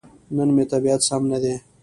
نن مې طبيعت سم ندی.